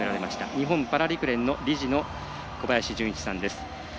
日本パラ陸連の理事の小林順一さんです。